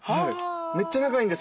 めっちゃ仲いいんですよね。